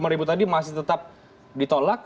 dua puluh lima ribu tadi masih tetap ditolak